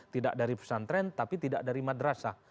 tidak dari pesantren tapi tidak dari madrasah